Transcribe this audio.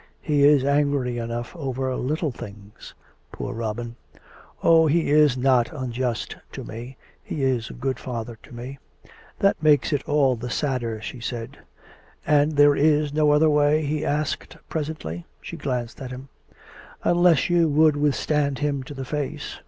" He is angry enough over little things." " Poor Robin !"" Oh ! he is not unj ust to me. He is a good father to me." " That makes it all the sadder," she said. U COME RACK! COME ROPE! " And there is no other way ?" he asked presently. .She glanced at him. " Unless you would withstand him to the face.